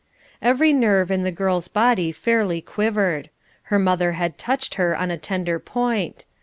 Every nerve in the girl's body fairly quivered. Her mother had touched her on a tender point.